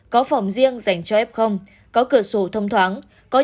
có phòng riêng dành cho f có cửa sổ thông thoáng